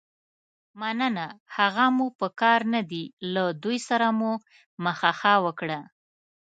مننه، هغه مو په کار نه دي، له دوی سره مو مخه ښه وکړه.